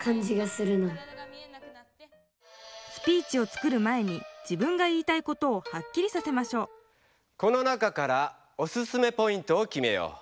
スピーチを作る前に自分が言いたいことをはっきりさせましょうこの中からオススメポイントをきめよう。